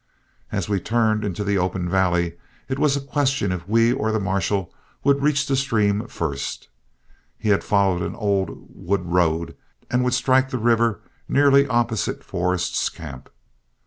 As we turned into the open valley, it was a question if we or the marshal would reach the stream first; he had followed an old wood road and would strike the river nearly opposite Forrest's camp.